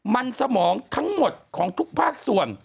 มันสมองทั้งหมดของทุกภาคส่วน